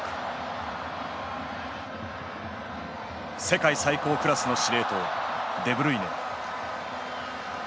世界最高クラスの司令塔デブルイネ。